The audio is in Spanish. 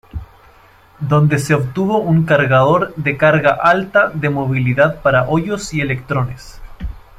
Donde se obtuvo un cargador de carga alta de movilidad para hoyos y electrones.